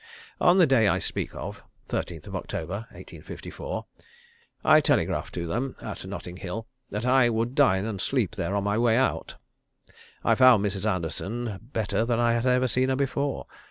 On the day I speak of 13th October, 1854 I telegraphed to them at Notting Hill that I would dine and sleep there on my way out. I found Mrs. Anderton better than I had ever seen her before.